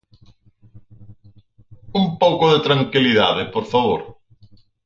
Un pouco de tranquilidade, por favor.